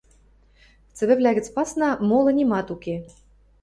Цӹвӹвлӓ гӹц пасна, молы нимат уке.